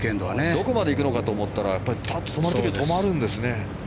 どこまで行くのかと思ったら止まる時は止まるんですね。